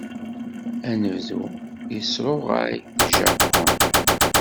Anebdu yesruɣay deg Japun.